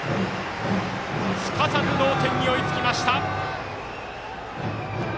すかさず同点に追いつきました。